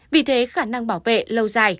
vì thế khả năng bảo vệ lâu dài